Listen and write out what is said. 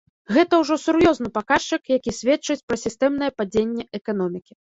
Гэта ўжо сур'ёзны паказчык, які сведчыць пра сістэмнае падзенне эканомікі.